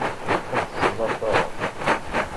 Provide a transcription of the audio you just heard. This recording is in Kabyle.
Ur tent-ttḍafareɣ.